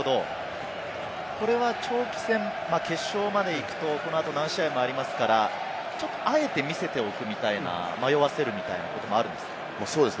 これは長期戦、決勝まで行くと、このあと何試合もありますからあえて見せておくみたいな、迷わせるみたいなこともあるんですか。